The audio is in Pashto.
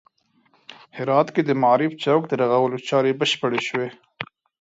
هرات کې د معارف چوک د رغولو چارې بشپړې شوې